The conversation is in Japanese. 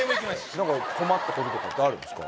何か困ったこととかってあるんですか？